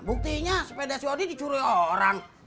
buktinya sepeda si odi dicuri orang